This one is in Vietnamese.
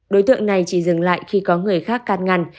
đối tượng này chỉ dừng lại khi có người khác can ngăn